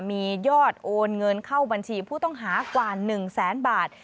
มียอดโอนเงินเข้าบัญชีผู้ต้องหากว่า๑แสนบาท